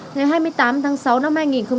ngày hai mươi tám tháng sáu năm hai nghìn hai mươi một